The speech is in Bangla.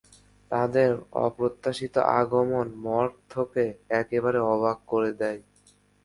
তাদের অপ্রত্যাশিত আগমন মর্গথকে একেবারে অবাক করে দেয়।